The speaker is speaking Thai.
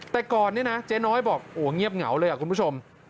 แต่ก่อนเจ๊น้อยบอกเงียบเหงาเลยคุณผู้ชม